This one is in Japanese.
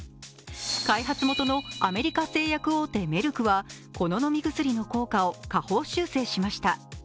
開発元のアメリカ製薬大手メルクはこの飲み薬の効果を下方修正しました。